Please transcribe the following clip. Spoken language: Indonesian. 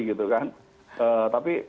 gitu kan tapi